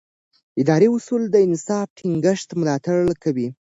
اداري اصول د انصاف د ټینګښت ملاتړ کوي.